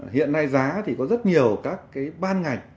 hiện nay giá thì có rất nhiều các cái ban ngành